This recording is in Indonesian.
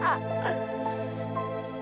kau harus bertemu dewa langit